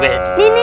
keteknya di sini